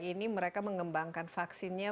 ini mereka mengembangkan vaksinnya